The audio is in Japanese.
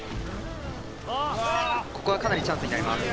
ここはかなりチャンスになります。